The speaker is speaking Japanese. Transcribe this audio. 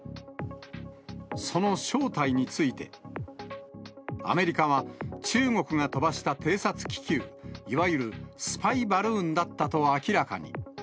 その正体について、アメリカは、中国が飛ばした偵察気球、いわゆるスパイバルーンだったと明らかに。